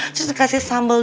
terus dikasih sambal